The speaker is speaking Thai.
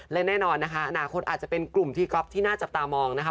และแน่นอนนะคะอนาคตอาจจะเป็นกลุ่มที่ก๊อฟที่น่าจับตามองนะคะ